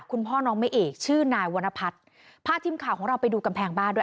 คุณพ่อน้องไม่เอกชื่อนายวรรณพัฒน์พาทีมข่าวของเราไปดูกำแพงบ้านด้วย